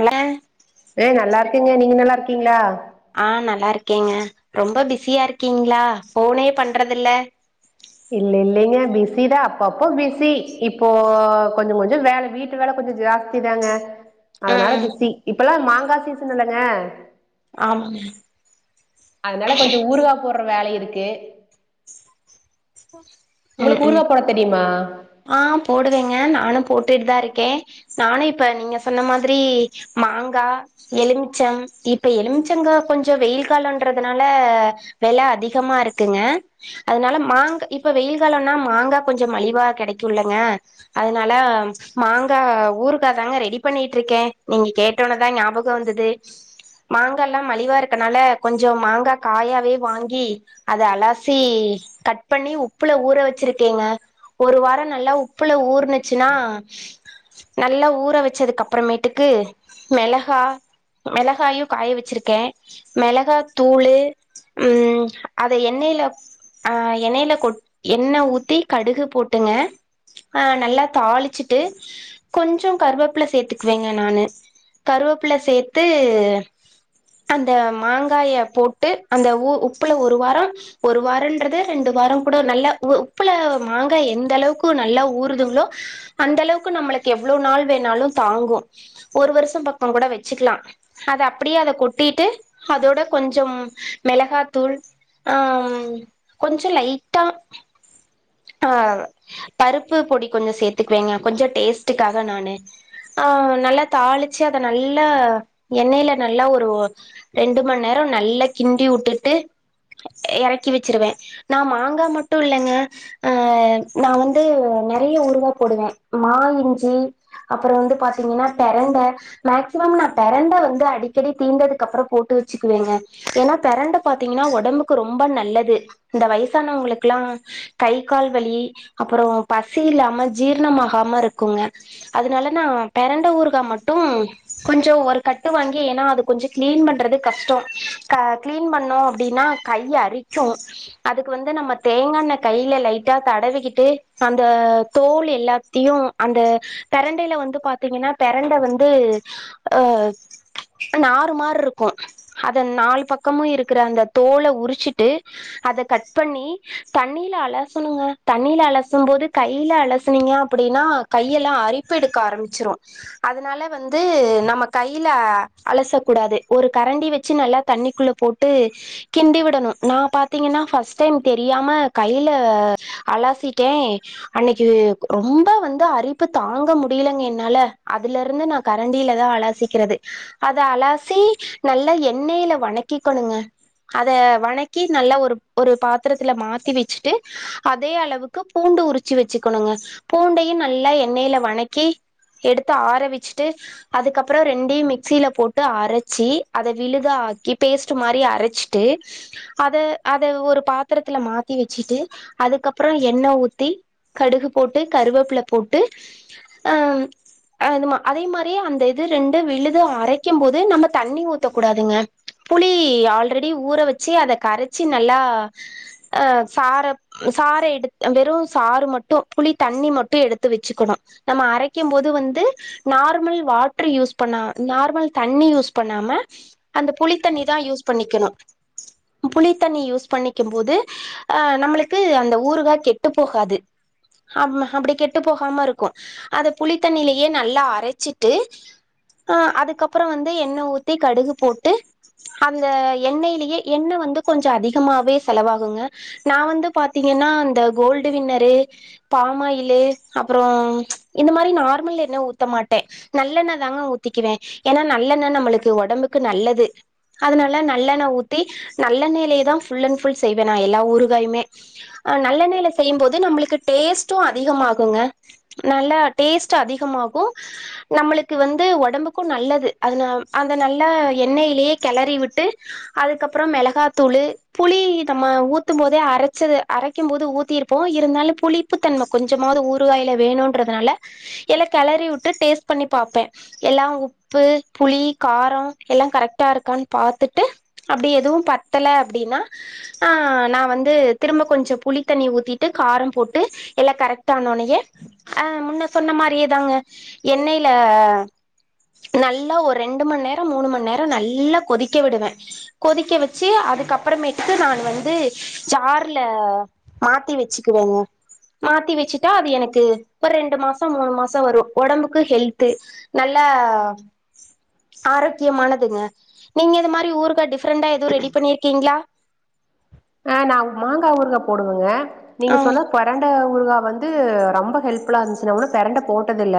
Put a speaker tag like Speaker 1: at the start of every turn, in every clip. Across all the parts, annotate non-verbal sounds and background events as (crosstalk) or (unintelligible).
Speaker 1: அல
Speaker 2: இருக்குங்க நீங்க நல்லா இருக்கீங்களா
Speaker 1: ஆஹ் நல்லா இருக்கேங்க ரொம்ப பிஸியா இருக்கீங்களா போனே பண்றதுில்ல
Speaker 2: இல்ல இல்லைங்க பிஸி தான் அப்பப்போ பிஸி இப்போ கொஞ்சம் கொஞ்சம் வேல வீட்டு வேல கொஞ்சம் ஜாஸ்தி தாங்க அதனால
Speaker 1: ம்
Speaker 2: பிசி இப்பல்லாம் மாங் ஆங்கா சீசன் இல்லங்க
Speaker 1: ஆமாங்க
Speaker 2: அதனால கொஞ்சம் ஊருகா போற அப்றம் வேல இருக்கு உங்களுக்கு ஊருகா போட தெரியுமா
Speaker 1: ஆஹ் போடுவேங்க நானும் போட்டுட்டு தான் இருக்கேன் நானும் இப்ப நீங்க சொன்ன மாதிரி மாங்காய் எலுமிச்சம் இப்ப எலுமிச்சங்க கொஞ்சம் வெயில் காலம்ன்றதுனால விலை அதிகமா இருக்குங்க அதனால மாங்காய் இப்ப வெயில் காலம்னா மாங்காய் கொஞ்சம் மலிவா கிடைக்கும் ங்க அதனால மாங்காய் ஊறுகாய தாங்க ரெடி பண்ணிட்டு இருக்கேன் நீங்க கேட்டோனேதான் ஞாபகம் வந்தது மாங்காய்ல்லாம் மலிவா இருக்கனால கொஞ்சம் மாங்காய் காயாவே வாங்கி அதை அலாசி கட் பண்ணி உப்புல ஊற வச்சிருக்கேங்க ஒரு வாரம் நல்லா உப்புல ஊர்னுச்சின்னா நல்லா ஊற வச்சதுக்கு அப்புறமேட்டுக்கு மெளகா மெளகாயும் காய வச்சிருக்கேன் மெளகாய் தூளஉஹம் அத எண்ணெயில ஆஹ் எண்ணெயில கொ எண்ணெ ஊத்தி கடுகு போட்டுங்க ஆஹ் நல்லா தாளிச்சிட்டு கொஞ்சம் கருவேப்ல சேத்துக்குவேங்க நான்னு கருவேப்பில சேத்து அந்த மாங்காய போட்டு அந்த உ உப்புல ஒரு வாரம் ஒரு வாரன்றது ரெண்டு வாரம் கூட நல்ல உ உப்புல மாங்காய் எந்த அளவுக்கு நல்லா ஊறுதுங்களோ அந்த அளவுக்கு நம்மளுக்கு எவ்ளோ நாள் வேணாலும் தாங்கும் ஒரு வருஷம் பக்கம் கூட வச்சிக்கலாம் அத அப்டியே அத கொட்டிட்டு அதோட கொஞ்சம் மெளகாத்தூள் ஆஹ் கொஞ்சம் லைட்டா ஆஹ் பருப்பு பொடி கொஞ்சம் சேர்த்துக்குவேங்க கொஞ்சம் டேஸ்ட்டுக்காக நானு ஆஹ் நல்லா தாளிச்சு அத நல்லா எண்னைல நல்லா ஒரு ரெண்டு மணி நேரம் நல்லா கிண்டி வுட்டுட்டு இறக்கி வச்சிருவேன் நான் மாங்கா மட்டும் இல்லங்க ஆஹ் நான் வந்து நிறைய ஊறுகாய் போடுவேன் மா இஞ்சி அப்ரோ வந்து பாத்தீங்கன்னா பெரண்ட மேக்சிமம் நான் பெரண்ட வந்து அடிக்கடி தீந்ததுக்குப்றம் போட்டு வச்சுக்குவேங்க ஏன்னா பெரண்டை பாத்தீங்கன்னா உடம்புக்கு ரொம்ப நல்லது இந்த வயசானவங்களுக்குல்லாம் கை கால் வலி அப்புறம் பசி இல்லாம ஜீர்ணமாகாம இருக்குங்க அதனால நான் பெரண்ட ஊருகா மட்டும் கொஞ்சம் ஒரு கட்டு வாங்கி ஏன்னா அது கொஞ்சம் கிளீன் பண்றது கஷ்டம் க கிளீன் பண்ணோம் அப்படின்னா கை அரிக்கும் அதுக்கு வந்து நம்ம தேங்காண்ண கையில லைட்டா தடவிக்கிட்டு அந்த தோல் எல்லாத்தையும் அந்த பெரண்டையில வந்து பா்த்தீங்கன்னா பேரண்ட வந்து நாறு மாறு இருக்கும் அத நாலு பக்கமும் இருக்கிற அந்த தோலை உரிச்சுட்டு அத கட் பண்ணி தண்ணில அலசனும் தண்ணில அலசும் போது கையில அலசுனீங்க அப்படின்னா கையெல்லாம் அரிப்பு எடுக்க ஆரம்பிச்சிரும் அதனால வந்து நம்ம கையில அலசக்கூடாது ஒரு கரண்டி வச்சு நல்லா தண்ணிக்குள்ள போட்டு கிண்டிவிடணும் நான் பாத்தீங்கன்னா பஸ்ட் டைம் தெரியாம கையில அலாசிட்டேன் அன்னைக்கு ரொம்ப வந்து அரிப்பு தாங்க முடியலைங்க என்னால அதுல இருந்து நான் கரண்டிலதான் அலாசிக்கிறது அத அலாசி நல்ல எண்ணெயில வணக்கிக்கணுங்க அத வணக்கி நல்லா ஒரு ஒரு பாத்திரத்துல மாத்தி வச்சுட்டு அதே அளவுக்கு பூண்டு உரிச்சு வச்சுக்கணுங்க பூண்டையும் நல்லா எண்ணெயில வணக்கி எடுத்து ஆர வச்சுட்டு அதுக்கப்புறம் ரெண்டையும் மிக்சியில போட்டு அரைச்சி அதை விழுதா ஆக்கி பேஸ்ட்ட் மாதிரி அரைச்சிட்டு அதை அதை ஒரு பாத்திரத்துல மாத்தி வச்சுட்டு அதுக்கப்புறம் எண்ணெய் ஊத்தி கடுகு போட்டு கருவேப்பில போட்டுஹ அது அதே மாதிரிே அந்த இது ரெண்டு விழுது அரைக்கும் போது நம்ம தண்ணி ஊத்தக்கூடாதுங்க புளி ஆல்ரெடி ஊற வச்சு அத கரச்சி நல்லாஹ சார சார எடு வெறும் சாறு மட்டும் புளி தண்ணி மட்டும் எடுத்து வச்சுக்கணும் நம்ம அரக்கும் போது வந்து நார்மல் வாட்டரு யூஸ் பண்ண நார்மல் தண்ணி யூஸ் பண்ணாம அந்த புளிித்தண்ணி தான் யூஸ் பண்ணிக்கணும் புளித்தண்ணி யூஸ் பண்ணிக்கும் போதுஹ நம்ம அந்த ஊருகா கெட்டு போகாது அப்டி கெட்டு போகாம இருக்கும் அத புளித்தண்ணிலயே நல்லா அரசிட்டு அஹ அதுக்கப்புறம் வந்து எண்ணெய் ஊத்தி கடுகு போட்டு அந்த எண்ணெய்ிலயே எண்ணெய் வந்து கொஞ்சம் அதிகமாவே செலவாகுங்க நான் வந்து பாார்த்தீங்கன்னா இந்தந்த கோல்டு வின்னரு பாமாயில்ு அப்புறம் இந்த மாதிரி நார்மல் என்ன் ஊத்த மாட்டேன் நல்லெண்ணய் தாங்க ஊத்திக்குவேன் ஏன்னா நல்லெண்ணய் நம்மளுக்கு உடம்புக்கு நல்லது அதனால நல்லெண்ணய ஊத்தி நல்லெண்ணெயலயே தான் ஃபுல் அண்ட் ஃபுல் செய்வேன் நான் எல்லா ஊறுகாயுமே நல்லெண்ணெய்ில செய்யும்போது நம்மளுக்கு டேஸ்ட்டும் அதிகமாகுங்க நல்ல டேஸ்ட் அதிகமாகும் நம்மளுக்கு வந்து உடம்புக்கும் நல்லது அதுன அந்த நல்ல எண்ணெயிலயே கிளறி விட்டு அதுக்கப்புறம் மிளகாத்தூளு புளி நம்ம ஊத்தும் போோதே அரைச்ச ச்சது அரைக்கும் போது ஊத்திருப்போம் இருந்தாலும் புளிப்பு தன்ம கொஞ்சமாவது ஊறுகாயில் வேணுன்றதுனால எல்லாம் கிளறி விட்டு டேஸ்ட் பண்ணி பார்ப்பேன் எல்லாம் உப்பு புளி காரம் எல்லாம் கரெக்டா இருக்கான்னு பார்த்துட்டு அப்படி எதுவும் பத்தலை அப்படின்னாஹ நான் வந்து திரும்ப கொஞ்சம் புளித்தண்ணி ஊத்திட்டு காரம் போட்டு எல்லாம் கரெக்ட ஆானோனையே அஹ் முன்ன சொன்ன மாதிரியே தாங்க எண்ணெய்ில நல்லா ஒரு ரெண்டு மணி நேரம் மூணு மணி நேரம் நல்லா கொதிக்க விடுவேன் கொதிக்க வச்சு அதுக்கப்புறமேட்டு நான் வந்து சார ல மாத்தி வச்சுக்குவேங்க மாத்தி வச்சுட்டா அது எனக்கு ஒரு ரெண்டு மாசம் மூணு மாசம் வரும் உடம்புக்கு ஹெல்து நல்லா ஆரோக்கியமானதுங்க நீங்க இது மாதிரி ஊருகா டிஃப்ரெண்டா எதுவும் ரெடி பண்ணிருக்கீங்களா
Speaker 2: ஆஹ் நான் மாங்காய் ஊருகா போடுவேங்க நீங்க
Speaker 1: ஆ
Speaker 2: சொன்னது கொறண்ட ஊருகா வந்து ரொம்ப ஹெல்ப்புல்லா இருந்துச்சி பெரண்டபோட்டத இல்ல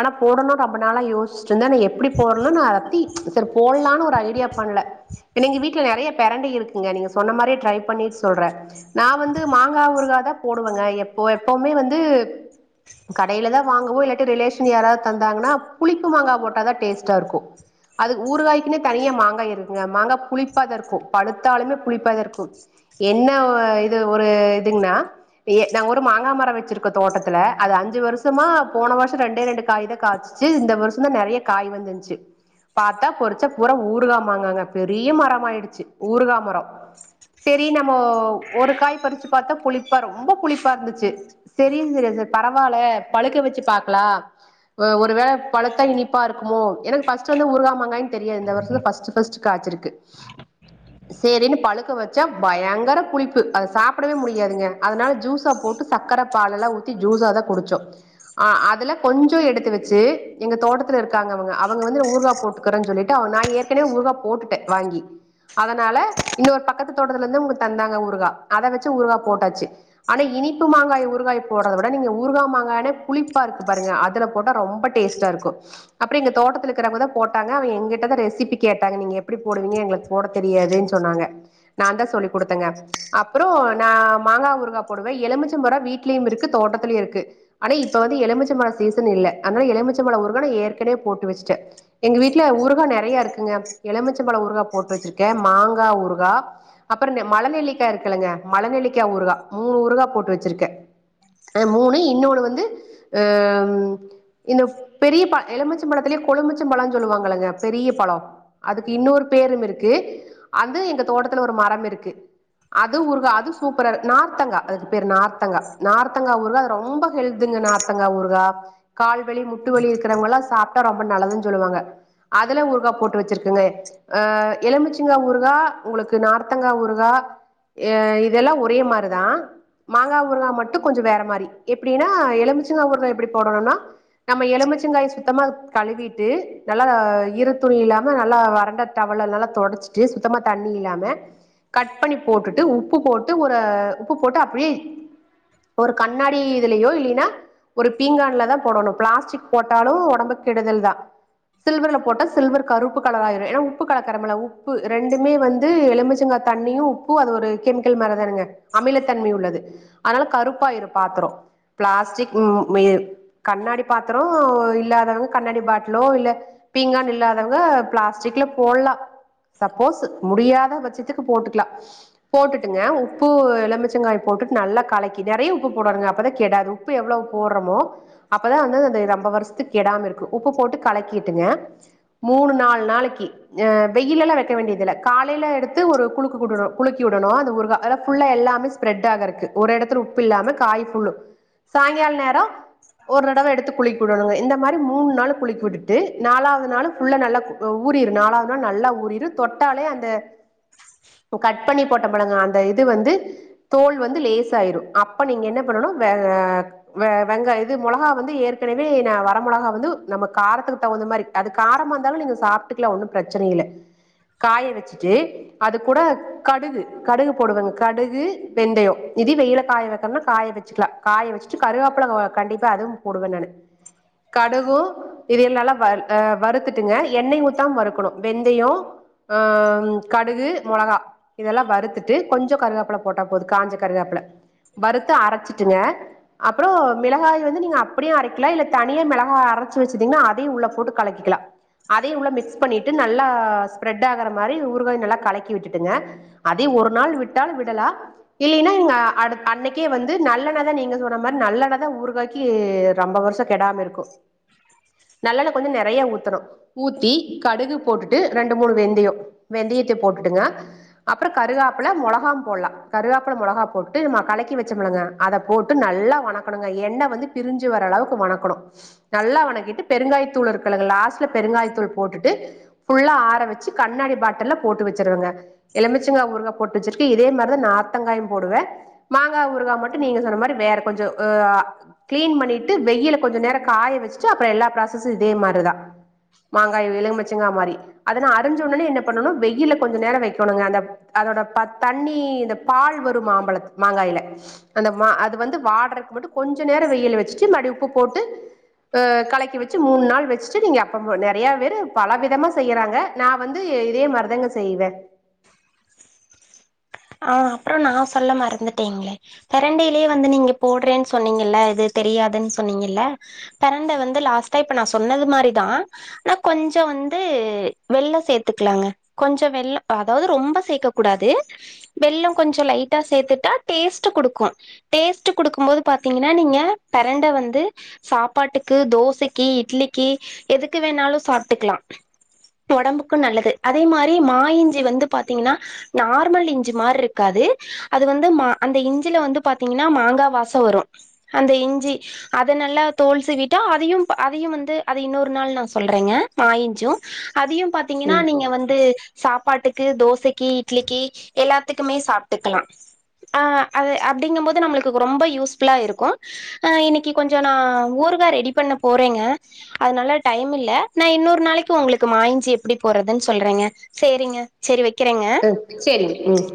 Speaker 2: ஆனா போடணும் ரொம்ப நாளா யோசிச்சி ந்த எப்படி போறலும் நத்தி செரி போட்லான்னு ஒரு ஐடியா பண்ணல ஏன்னா எங்க வீட்ல நெறைய பெரண்டை இருக்குங்க நீங்க சொன்ன மாரியே ரை முன்னிட்டு செல்ற நான் வந்து மாங்காய்ஊறு தான் போடுவங்கப்ப எப்பவுமே வந்து கடைல தான் வாங்குவோ இல்லாடி ரிலைசன்யாரவது தந்தாங்கன புளிப்பு மாங்காய் போட்டாதான் டேஸ்டா இருக்குதான் ஊறுக்காய்னு தனியா மாங்காய் இருக்குக மாங்காய்ளிப்ப இரு படுத்தாலுமே புளிப்ப இரு என்ன இது ஒரு இதுங்கன்னா நாங்க ஒரு மாங்காய் மரம் வச்சிருக்கோம் தோட்டத்துல அது அஞ்சு வருஷமா போன வருஷம்ரெண்டே ரெண்டு காய் தான் காய்ச்சிச்சு இந்த வருஷம்தான் நிறைய காய் வந்துருச்சு பார்த்தா பொரிச்சா பூரா ஊருகா மாங்காங்க பெரிய மரமயிடுச்சு ஊருகா மரம் சரி நம்ம ஒரு காய் பறிச்சு பார்த்தா புளிப்பா ரொம்ப புளிப்பா இருந்துச்சு செரி செரி ச பரவாயில்ல பழுக்க வச்சு பாக்கலாம் ஒருவேளை பழுத்தா இனிப்பா இருக்குமோ எனக்கு பஸ்ட் வந்து உருகாாமங்காய் தெரியா இந்த வருஷம் பஸ்ட் பஸ்ட் காச்சிருக்கு செரினு பழுக்க வச் பயங்க பளிப்பு அத சாப்பிடவே முடியாதுனால அதனால ஜூசா போட்டு சக்கர பால்எல்லாம் ஊத்தி ஜூசாத குடிச்சோம்கொஞ்சம் எடுத்து வச்சு எங்க தோட்டத்து இருக்க அவங்க அவங்க வந்து ஊறுகாய் போட்டுகிறேன் சொல்லிட்டு நாஊறுகாய் போட்டுடேன்வாங்கி அதனால இன்னோரு பக் பக்கத்து தோட்டத்துல இருந்து உங்க தந்தாங்க ஊருாயா அதை வச்சு ஊருகா போட்டாச்சு ஆனா இனிப்பு மாங்காய் உருகாய் போடுதை விட நீங்க ஊருகா்ங்காயானே குளிப்பா இருக்கு பாருங்க அதுல போட்டா ரொம்ப டேஸ்ட்டா இருக்கும் அப்புறம் எங்க தோட்டத்து இருக்கிறவங்கதான் போட்டாங்க அவ எங்கிட்டதான் ரெசிபி கேட்டாங்க நீங்க எப்படி போடுவீங்க எங்களுக்கு போட தெரியாதுன்னு சொன்னாங்க நான் தான் சொல்லி் கொடுத்தங்க அப்புறம் நான் மாங்காய் ஊருகா போடுவேன் எலுமிச்சம்பழ வீட்லயும் இருக்கு தோட்டத்திலயும் இருக்கு ஆனா இப்ப வந்து எலுமிச்ச மழ சீசன் இல்லலை அதனால எலுமிச்சம்பழ ஊருகா நான் ஏற்கனவே போட்டு வச்சுட்டேன் எங்க வீட்டுல ஊ ருகா நிறைய இருக்குங்க எலுமிச்சம்பழ ஊருகா போட்டு வச்சிருக்கேன் மாங்காய் ஊருகாய் அப்புற மலநெல்லிக்காய் இருக்குங்க மலநெல்லிக்காய் ஊருகா மூணு ஊருகா போட்டு வச்சிருக்கே மூணு இன்னொன்னு வந்து இந்த பெரிய எலுமிச்சம் பழத்திலே கொழுமிச்சம் பழம் சொல்லுவாங்க பெரிய பழம் அதுக்கு இன்னொரு பேரும் இருக்கு அது எங்க தோட்டத்து ஒரு மரம் இருக்கு அதுஊறுகாஅது சூப்பரநார்த்தங்க இதுக்கு பெரு நார்த்தங்கா நார்த்தங்காஊறுகா ரொம்ப கெல்திஊாறுகா கால்வளி முட்டு இருவ சாப்டா ரொம்ப நல்லதுன்னு சொல்லுவாங்க அது ஊறுகா போட்டு வச்சிருங்க எலுமிச்சிங்க ஊறுகா உங்களுக்கு த்து நார்த்தங்கா ஊறுகா ஆ இதெல்லா ஒரே மாரிதா மாங்கா ஊறுகா மட்டு கொஞ்ச வேற மாரி எப்பிடின்னா எலுமிச்சங்கா ஊறுகா எப்பிடி போடணும்னா நம்ம எலுமிச்சங்காய சுத்தமா கழுவிட்டு நல்லா ஈரத் துணி இல்லாம நல்லா வறண்ட டவல நல்லா தொடச்சிட்டு சுத்தமா தண்ணி இல்லாம க் பண்ண போட்டு உப்பு போட்டு ஒரு உப்பு போட்டு அப்படியே ஒரு கண்ணாடில இ துலே இல்லனா ஒரு பிங்கலான் போடனும் பிளாஸ்டிக் போட்டாலும் உடம்புக்கு கெடுதல் தான் சில்வர் போட்ட சில்வர் கருப்பு கலருல ஆயிரும் உப்பு ரெண்டுமே வந்து எலுமிச்சுங்க தண்ணியும் உப்புசம் அது ஒரு கெமிக்கல் தானுங்க அமில தன்மை உள்ளது அதனால கருப்பாயிரு பாத்திரம்பிளாடிஸக் கண்ணாடி பாத்திரம் இல்லாதவங்க கண்ணாடி பாட்டிலோ இல்ல பீங்கான் இல்லாதவங்க பிளாஸிக்ல போடலாம் சப்போஸ் முடியாத பட்சத்துக்கு போட்டுக்கலாம் போட்டுட்டுங்க உப்பு எலமிச்சங்காய் போட்டுட்டு நல்லா கலக்கி நிறைய உப்பு போடனுங்க அப்பதான் கெடாது உப்பு எவ்வளவு போடுறோமோ அப்பதான் வந்து அந்த ரொம்ப வருஷத்துக்கு கெடாம இருக்கு உப்பு போட்டு கலக்கிட்டுங்க மூணு நாலு நாளைக்கு் வெயில எல்லாம் வைக்க வேண்டியதுல காலைல எடுத்து ஒரு குலுக்குகூட்டணு குலுக்கி விடணு அந்த ஊறுகா எல்லா ஃபுல்லா எல்லாமே ஸ்ப்ரெட் ஆகறக்கு ஒரு எடத்துல உப்பில்லாம காய் ஃபுல்லு சாயங்கால நேரம் ஒரு தடவை எடுத்து குளிக்க விடுணுங்க இந்த மாதி மூணு நாள் குளிக்கி விட்டுட்டு நாலாவது நாள் புல்லா நல்ல ஊற நாலாவது நாள் நல்லா ஊ தொட்டாலே அஞ்ச (unintelligible) கட் பண்ணி போட்ட பழங்க அந்த இது வந்து தோல் வந்து லேசாயிரும் அப்ப நீங்க என்ன பண்ணும் வெங்காய இது மிளகா வந்து ஏற்கனவே வர மிளகா வந்து நம்ம காரத்துக்கு தகுந்த மாதிரி அது காரமா இருந்தால நீங்க சாப்பிட்டுக்கலாம் ஒன்னும் பிரச்சனை இல்ல்காய வச்சு அதுட ககு கடுகு போடுவேங்க கடுகு வெந்தயம் இ வெயில காய வைக்கறேனா காய வச்சுக்கலாம் காய வச்சுட்டு கருகாப்பல கண்டிப்பா அதுவும் போடுவேன் நான் கடுகு இது நல்ல வறுத்துட்டுங்க எண்ணெய் ஊத்தாம வறுக்கணும் வெந்தயம்ஹ் கடுகு மிளகா இதெல்லாம் வருறுத்துட்டு கொஞ்சம் கருகாப்பில போட்டா போகுது காஞ்ச கருகாப்பில வருத்த அரைச்சிட்டுங்க அப்புறோ மிளகாய் வந்து நீங்க அப்டியு அரைக்கலா இல்ல தனியா மிளகா அரைச்சு வச்சிருந்தீங்கன்னா அதயு உள்ள போட்டு கலக்கிக்கலா அதயு உள்ள மிக்ஸ் பண்ணிட்டு நல்லா ஸ்ப்ரெட் ஆகற மாரி ல்ல கலக்கி விட்டுங்க அதே ஒரு நாள் விட்டால் விடலாம் இல்லன்னாங்க அன்னைக்கே வந்து நல்லெணத நீங்க சொன்ன மாதிரி நல்லெண்ணதா ஊறுகாய்க்கு ரொம்ப வருஷம் கெடாம இருக்கும் நல்லெண்ண கொஞ்சம் நிறைய ஊத்தணும் ஊத்தி கடுகு போட்டுட்டு ரெண்டு மூணு வெந்தயம் வெந்தயத்தை போட்டுட்டுங்க அப்புறம் கருகாப்பல மிளகா போடலாம் கருகாப்பில மிளகா போட்டு நம்ம கலக்கி வச்சோ முலுங்க அதை போட்டு நல்லா வணக்கணு எண்ணெய வந்து பிரிஞ்சு வர அளவுக்கு வணக்கணும் நல்லா வணக்கிட்டு பெருங்காய தூள்இருக்கு கங்க லாஸ்ட்ல பெருங்காய தூள் போட்டுட்டு புல்லா ஆர வச்சு கண்ணாடி பாட்ட காட்டல்ல போட்டு வச்சருவங்க எலுமிச்சங்க் ஊருகாய போட்டு வச்சிருக்க இதே மாதிரிதான் நாத்தங்காயும் போடுவேன் மாங்காய் ஊருகாய மட்டும் நீங்க சொன்ன மாதிரி வேற கொஞ்சம்ஹ் கிளீன் பண்ணிட்டு வெயில கொஞ்சம் நேரம் காய வச்சுட்டு அப்புறம் எல்லா ப்ராசசும் இதே மாதிரிதான் மாங்காய் எழுமிச்சங்கா மாறி அத ந அறிஞ்ச உடனே என்ன வெயில கெஞ்ச நேர வைக்கனுங்க அதட தண்ண பால் வரும் மாங்காய கொஞ்ச நேரம் வெயில் வச்ச மடி உப்பு போட்டு கக்க வச்சு மூணு நாள் வச்ச நைய பேரு பல விதமா செய்யறாங்க ந வந்து இதே மாரிதாங்க செய்வேன்
Speaker 1: ஆஹ் அப்புறம் நான் சொல்ல மறந்துட்டேங்களே பெரண்டையிலயே வந்து நீங்க போடுறேன்னு சொன்னீங்கல்ல இது தெரியாதுன்னு சொன்னீங்கல்ல பிரண்டை வந்து லாஸ்ட்டா இப்ப நான் சொன்னது மாதிரிதான் ஆனா கொஞ்சம் வந்து வெள்ளை சேர்த்துக்கலாங்க கொஞ்சம் வெள்ள அதாவது ரொம்ப சேர்க்க கூடாது வெள்ளம் கொஞ்சம் லைட்டா சேர்த்துட்டா டேஸ்ட் குடுக்கும் டேஸ்ட்ட் குடுக்கும் போது பாத்தீங்கன்னா நீங்க பெரண்டை வந்து சாப்பாட்டுக்கு தோசைக்கு இட்லிக்கு எதுக்கு வேணாலும் சாப்பிட்டுக்கலாம் உடம்புக்கும் நல்லது அதே மாதிரி மாய இஞ்சி வந்து பாாரத்தீங்கன்னா நார்மல் இஞ்சி அ்சு மாதிரி இருக்காது அது வந்து அந்த இஞ்சியில வந்து பாத்தீங்கன்னா மாங்காய் வாசம் வரும் அந்த இஞ்சி அத நல்லா தோல் சிவிவிட்டுஅதையும் அதையும் வந்து அத இன்னொரு நாள் நான் சொல்றேங்க மாயிஞ்சும் அதையும் பாத்தீங்கன்னா
Speaker 2: ம்
Speaker 1: நீங்க வந்து சாப்பாட்டுக்கு தோசைக்கு இட்லிக்கு எல்லாத்துக்குமே சாப்பிட்டுக்கலாம் ஆஹ் அது அப்படிங்கும் போது நம்மளுக்கு ரொம்ப யூஸ்புல்லா இருக்கும் ஆஹ இன்னைக்கு கொஞ்சம் நான் ஊருக்கா ரெடி பண்ண போறேங்க அதனால டைம் இல்லை நான் இன்னொரு நாளைக்கு உங்களுக்கு மாயிஞ்சு எப்படி போடுறதுன்னு சொல்றேங்க செரிங்க செரி வ
Speaker 2: ஹம் செரி உம்